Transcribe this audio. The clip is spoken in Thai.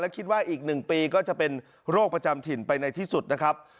คิดว่าอีก๑ปีก็จะเป็นโรคประจำถิ่นไปในที่สุดนะครับ